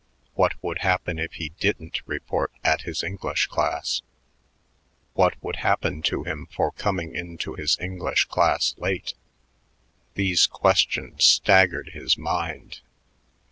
What would happen if he didn't report at his English class? What would happen to him for coming into his English class late? These questions staggered his mind.